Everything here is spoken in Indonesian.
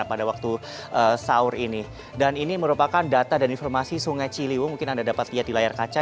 pada waktu sahur ini dan ini merupakan data dan informasi sungai ciliwung mungkin anda dapat lihat di layar kaca